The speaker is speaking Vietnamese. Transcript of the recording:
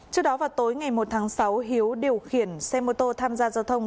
trước đó vào tối ngày một tháng sáu hiếu điều khiển xe mô tô tham gia giao thông